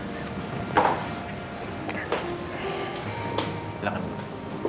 nah i'm sorry sal kamu datang